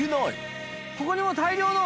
ここにも大量の。